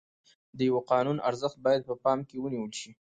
د یوه قانون ارزښت باید په پام کې ونیول شي.